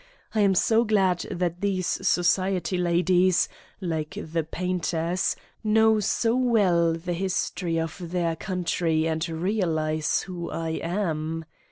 I am so glad that these society ladies, like the painters, know so well the history of their country and realize who I am.